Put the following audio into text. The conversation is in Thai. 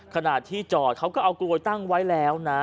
ขณะที่จอดเขาก็เอากลวยตั้งไว้แล้วนะ